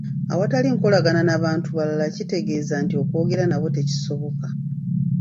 Awatali nkolagana n'abantu balala kitegeeaza nti okwogera nabo tekisoboka.